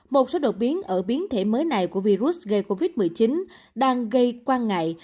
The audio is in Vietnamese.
một số đột biến ở biến thể mới này của virus gây covid một mươi chín đang gây quan ngại